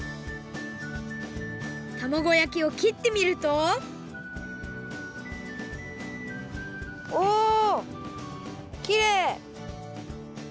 たまご焼きをきってみるとおきれい！